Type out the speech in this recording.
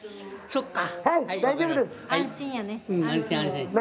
そっか。